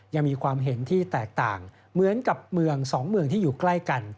ยังมีความเห็นที่แตกต่างเหมือนกับเมืองสองเมืองที่อยู่ใกล้กัน